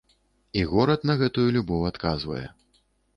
І горад на гэтую любоў адказвае.